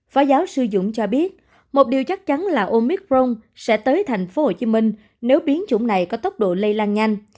phó giáo sư dũng cho biết một điều chắc chắn là omicron sẽ tới tp hcm nếu biến chủng này có tốc độ lây lan nhanh